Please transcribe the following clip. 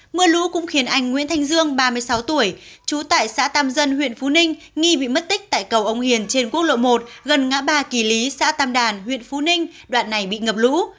mưa lũ cũng khiến anh nguyễn thanh dương ba mươi sáu tuổi trú tại xã tam dân huyện phú ninh nghi bị mất tích tại cầu ông hiền trên quốc lộ một gần ngã ba kỳ lý xã tam đàn huyện phú ninh đoạn này bị ngập lũ